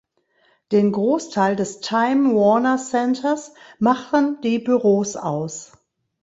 Den Großteil des "Time Warner Centers" machen die Büros aus.